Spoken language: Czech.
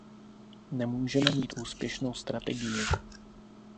Nemůžeme mít úspěšnou strategii.